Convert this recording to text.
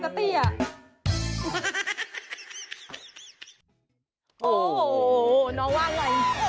เดี๋ยวเถอะนะ